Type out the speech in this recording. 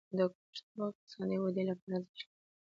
هندوکش د اقتصادي ودې لپاره ارزښت لري.